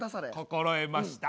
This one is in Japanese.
心得ました。